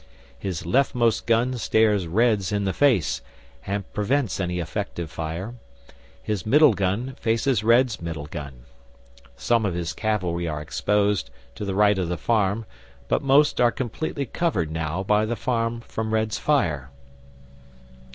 His leftmost gun stares Red's in the face, and prevents any effective fire, his middle gun faces Red's middle gun. Some of his cavalry are exposed to the right of the farm, but most are completely covered now by the farm from Red's fire.